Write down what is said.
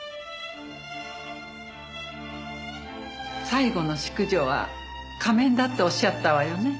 最後の淑女は仮面だっておっしゃったわよね。